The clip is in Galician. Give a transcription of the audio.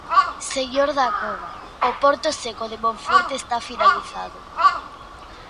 Señor Dacova, o porto seco de Monforte está finalizado.